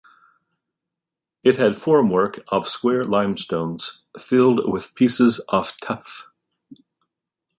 It had formwork of square limestones filled with pieces of tuff.